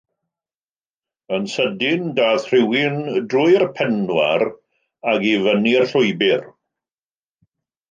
Yn sydyn, daeth rhywun drwy'r penwar ac i fyny'r llwybr.